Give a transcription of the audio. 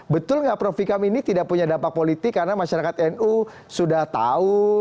betul nggak prof vikam ini tidak punya dampak politik karena masyarakat nu sudah tahu